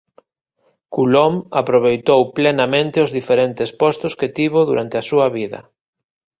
Coulomb aproveitou plenamente os diferentes postos que tivo durante a súa vida.